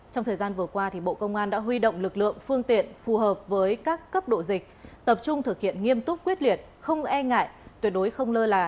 trong thời gian vừa qua bộ công an đã huy động lực lượng phương tiện phù hợp với các cấp độ dịch tập trung thực hiện nghiêm túc quyết liệt không e ngại tuyệt đối không lơ là